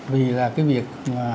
vì là cái việc